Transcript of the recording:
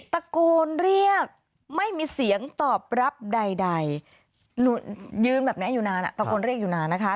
ตะโกนเรียกไม่มีเสียงตอบรับใดยืนแบบนี้อยู่นานตะโกนเรียกอยู่นานนะคะ